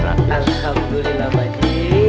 iya assalamualaikum pak haji